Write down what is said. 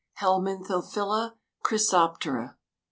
(_Helminthophila chrysoptera.